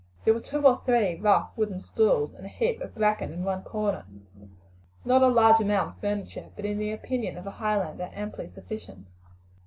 There were two or three rough wooden stools, and a heap of bracken in one corner. Nor a large amount of furniture, but, in the opinion of a Highlander, amply sufficient.